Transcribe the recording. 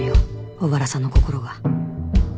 小原さんの心が